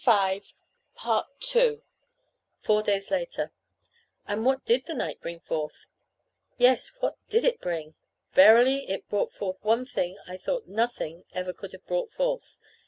Four days later. And what did the night bring forth? Yes, what did it bring! Verily it brought forth one thing I thought nothing ever could have brought forth.